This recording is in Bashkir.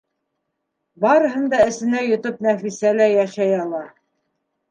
Барыһын да эсенә йотоп Нәфисә лә йәшәй ала.